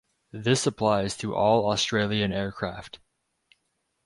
This applies to all Australian aircraft.